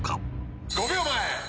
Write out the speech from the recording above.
「５秒前。